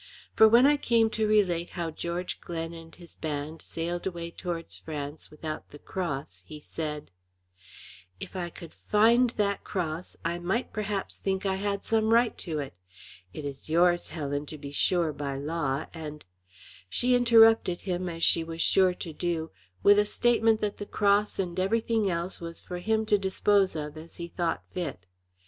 For when I came to relate how George Glen and his band sailed away towards France without the cross, he said: "If I could find that cross, I might perhaps think I had some right to it. It is yours, Helen, to be sure, by law, and " She interrupted him, as she was sure to do, with a statement that the cross and everything else was for him to dispose of as he thought fit.